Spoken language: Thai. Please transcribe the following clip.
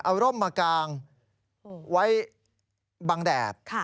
เอาร่มมากางไว้บังแดด